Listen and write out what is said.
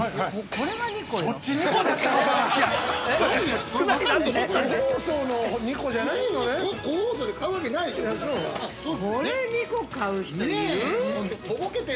◆これ２個買う人いる？